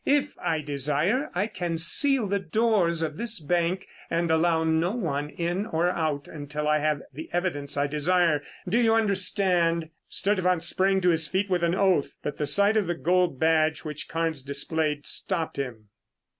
If I desire, I can seal the doors of this bank and allow no one in or out until I have the evidence I desire. Do you understand?" Sturtevant sprang to his feet with an oath, but the sight of the gold badge which Carnes displayed stopped him.